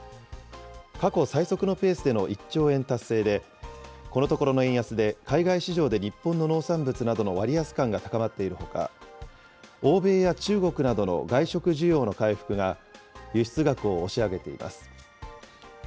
過去最速のペースでの１兆円達成で、このところの円安で海外市場で日本の農産物などの割安感が高まっているほか、欧米や中国などの外食需要の回復が、輸出額を押し上げています。